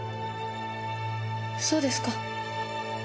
そうですか。